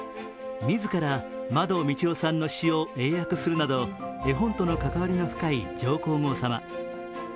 自らまどみちおさんの詩を英訳するなど、絵本との関わりが深い上皇后さま。